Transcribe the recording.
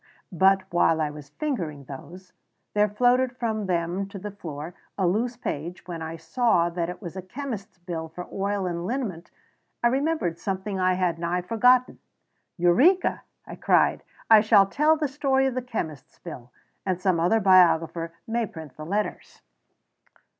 But while I was fingering those, there floated from them to the floor a loose page, and when I saw that it was a chemist's bill for oil and liniment I remembered something I had nigh forgotten. "Eureka!" I cried. "I shall tell the story of the chemist's bill, and some other biographer may print the letters."